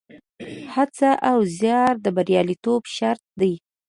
هڅه او زیار د بریالیتوب شرط دی.